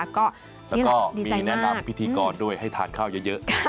แล้วก็มีแนะนำพิธีกรด้วยให้ทานข้าวเยอะ